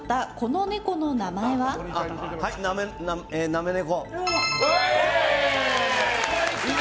なめ猫。